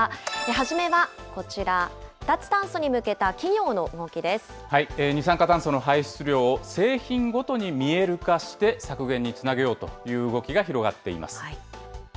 初めはこちら、脱炭素に向け二酸化炭素の排出量を製品ごとに見える化して削減につなげようという動きが広がっています。